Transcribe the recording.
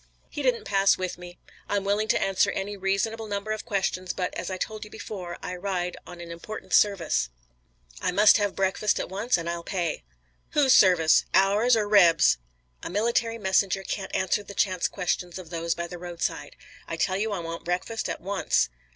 "He didn't pass with me. I'm willing to answer any reasonable number of questions, but, as I told you before, I ride on an important service. I must have breakfast at once, and I'll pay." "Whose service? Ours or Reb's?" "A military messenger can't answer the chance questions of those by the roadside. I tell you I want breakfast at once."